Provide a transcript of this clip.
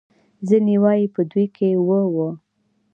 ځینې وايي په دوی کې اوه وو.